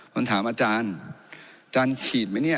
ผมถามอาจารย์อาจารย์ฉีดไหมเนี่ย